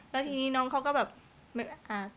แล้วทีนี้น้องเขาก็แบบอ่า